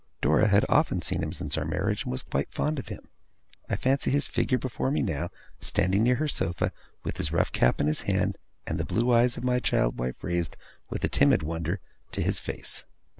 Dora had often seen him since our marriage, and was quite fond of him. I fancy his figure before me now, standing near her sofa, with his rough cap in his hand, and the blue eyes of my child wife raised, with a timid wonder, to his face.